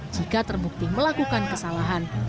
jika terbukti melakukan kesalahan